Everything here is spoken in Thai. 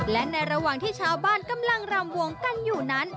และในระหว่างที่ชาวบ้านกำลังรำวงกันอยู่นั้น